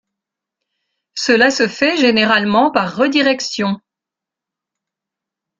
Cela se fait généralement par redirection.